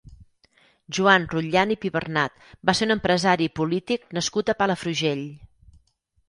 Joan Rutllant i Pibernat va ser un empresari i polític nascut a Palafrugell.